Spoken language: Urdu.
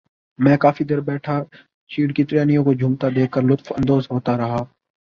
میں کافی دیر بیٹھا چیڑ کی ٹہنیوں کو جھومتا دیکھ کر لطف اندوز ہوتا رہا